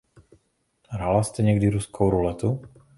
Hrála jste někdy ruskou ruletu?